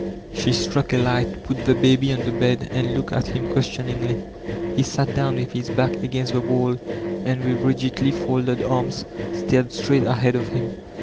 She struck a light, put the baby on the bed, and \o6ktA at him questioningly. He had sat down with his bock against the wall, and with rigidly folded arms stared straight ahead of him.